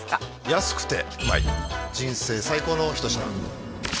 安くてうまい人生最高の一品